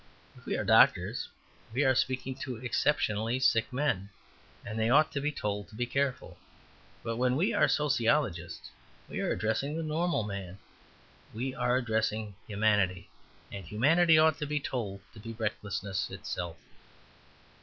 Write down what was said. If we are doctors we are speaking to exceptionally sick men, and they ought to be told to be careful. But when we are sociologists we are addressing the normal man, we are addressing humanity. And humanity ought to be told to be recklessness itself.